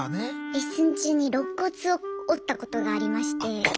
レッスン中にろっ骨を折ったことがありまして。